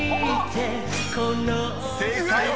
［正解は］